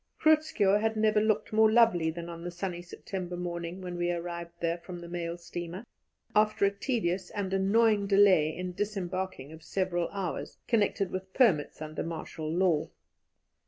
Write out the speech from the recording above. Groot Schuurr had never looked more lovely than on the sunny September morning when we arrived there from the mail steamer, after a tedious and annoying delay in disembarking of several hours, connected with permits under martial law.